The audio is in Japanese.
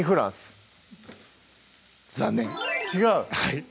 残念違う？